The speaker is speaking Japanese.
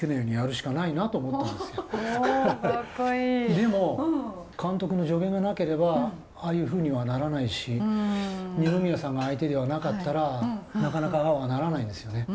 でも監督の助言がなければああいうふうにはならないし二宮さんが相手ではなかったらなかなかああはならないんですよね。